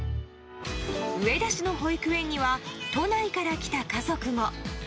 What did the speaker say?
上田市の保育園には都内から来た家族も。